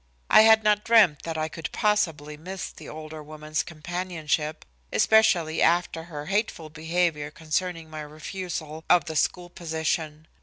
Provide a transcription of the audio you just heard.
I had not dreamed that I could possibly miss the older woman's companionship, especially after her hateful behavior concerning my refusal of the school position.